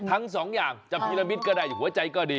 มี๒อย่างจับพิลามิตรก็ได้หัวใจก็ดี